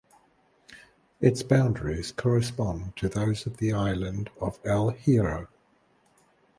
Its boundaries correspond to those of the island of El Hierro.